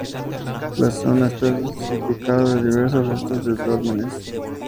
La zona está salpicada de diversos restos de dólmenes.